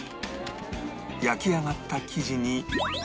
焼き上がった生地に